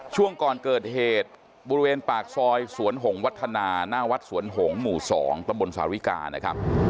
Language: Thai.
ช่วงก่อนเกิดเหตุบริเวณปากซอยสวนหงวัฒนาหน้าวัดสวนหงหมู่๒ตำบลสาวิกานะครับ